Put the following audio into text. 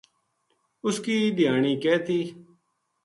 اُس کی دھیانی کہہ تھی